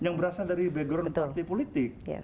yang berasal dari background partai politik